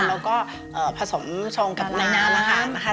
แล้วก็ผสมชงกับในน้ำนะคะ